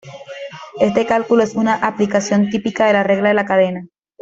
Este cálculo es una aplicación típica de la regla de la cadena.